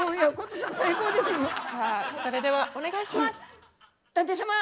さあそれではお願いします。